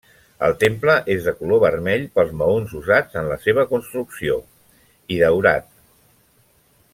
El temple és de color vermell pels maons usats en la seva construcció, i daurat.